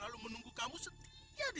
aku akan datang setiap hari